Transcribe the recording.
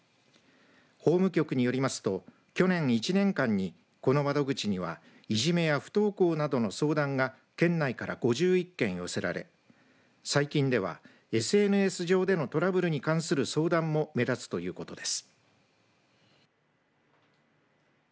法務局によりますと去年１年間にこの窓口にはいじめや不登校などの相談が県内から５１件寄せられ最近ではＳＮＳ上でのトラブルに関する相談も目立つということです。